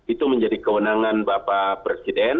itu menjadi kewenangan bapak presiden